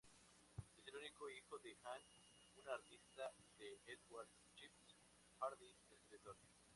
Es el único hijo de Ann, una artista, y de Edward "Chips" Hardy, escritor.